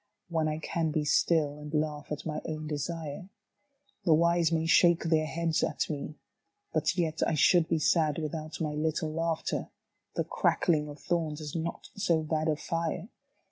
When I can be still and laugh at my own desire? The wise may shake their heads at me, but yet I should be sad without my little laughter. The crackling of thorns is not so bad a fire.